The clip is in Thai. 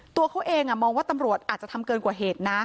ตัวเขาเองมองว่าตำรวจอาจจะทำเกินกว่าเหตุนะ